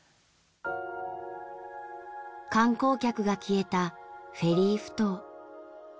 観光客が消えたフェリー埠頭。